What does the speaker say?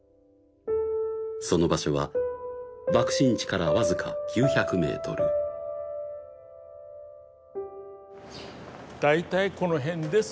その場所は爆心地からわずか９００ｍ大体この辺ですね